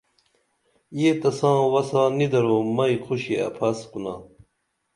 یہ تساں وسہ نی درو مئی خُشی اپھس کُنا